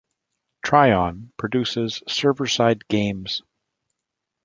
Trion produces server-side games.